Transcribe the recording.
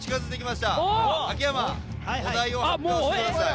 秋山お題を発表してください。